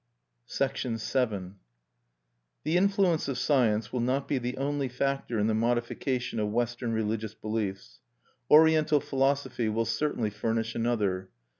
VII The influence of Science will not be the only factor in the modification of Western religious beliefs: Oriental philosophy will certainly furnish another.